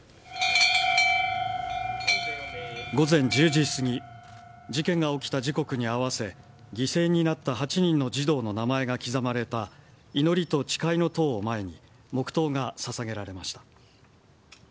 午前１０時すぎ事件が起きた時刻に合わせ犠牲になった８人の児童の名前が刻まれた祈りと誓いの塔を前に黙とうが捧げられました。